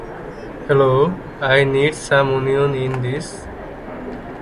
It is endemic to the Mammoth Cave National Park region of central Kentucky.